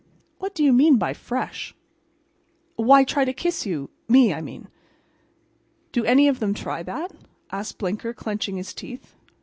"What do you mean by 'fresh?'" "Why, try to kiss you—me, I mean." "Do any of them try that?" asked Blinker, clenching his teeth.